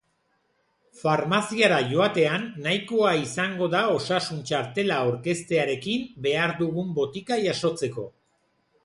Farmaziara joatean nahikoa izango da osasun txartela aurkeztearekin behar dugun botika jasotzeko.